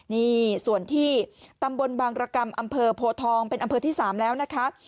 นี่ส่วนที่ตำบลบางรกรรมอำเภอโพทองเป็นอำเภอที่๓แล้วนะคะ